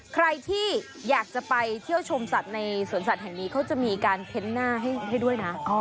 ใครที่อยากจะไปเที่ยวชมสัตว์ในสวนสัตว์แห่งนี้เขาจะมีการเทนต์หน้าให้ด้วยนะ